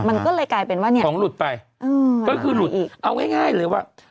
มันก็เลยกลายเป็นว่าของหลุดไปก็คือหลุดอีกเอาง่ายเลยว่า